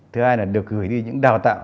thứ hai là được gửi đi những đào tạo